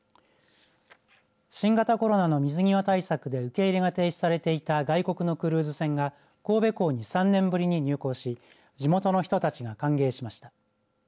新型コロナの水際対策で受け入れが停止されていた外国のクルーズ船が神戸港に３年ぶりに入港し地元の人たちが歓迎しました。